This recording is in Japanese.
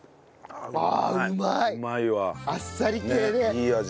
いい味。